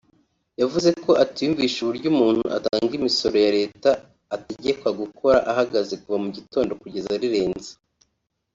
yavuze ko atiyumvisha uburyo umuntu utanga imisoro ya Leta ategekwa gukora ahagaze kuva mu gitondo kugeza rirenze